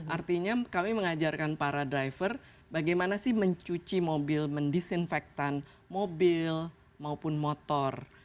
artinya kami mengajarkan para driver bagaimana sih mencuci mobil mendisinfektan mobil maupun motor